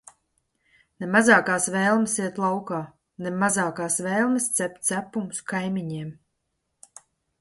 Ne mazākās vēlmes iet laukā, ne mazākās vēlmes cept cepumus kaimiņiem.